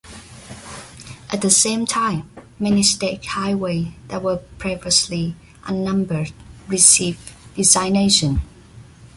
At the same time, many state highways that were previously unnumbered received designations.